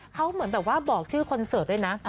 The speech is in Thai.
เขาเหมือนแบบว่าบอกชื่อคอนเสิร์ตด้วยนะ